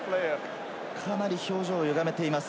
かなり表情を歪めています。